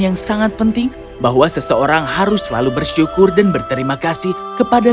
yang sangat penting bahwa seseorang harus selalu bersyukur dan berterima kasih kepada